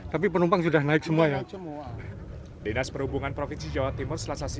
tapi penumpang sudah naik semua ya dinas perhubungan provinsi jawa timur selasasi